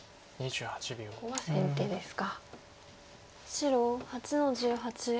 白８の十八。